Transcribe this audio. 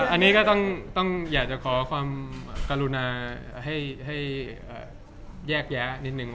อันนี้ก็ต้องอยากจะขอความกรุณาให้แยกแยะนิดนึง